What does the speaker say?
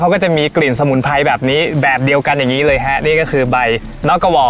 เขาก็จะมีกลิ่นสมุนไพรแบบนี้แบบเดียวกันอย่างนี้เลยฮะนี่ก็คือใบนอกกะวอร์